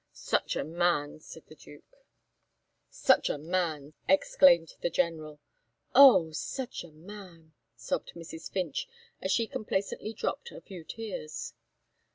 "Such a man!" said the Duke. "Such a man!" exclaimed the General. "Oh! such a man!" sobbed Mrs. Finch, as she complacently dropped a few tears.